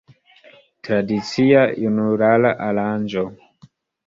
Tradicia junulara aranĝo.